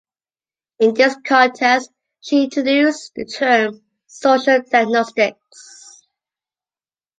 In this context she introduced the term “social diagnostics”.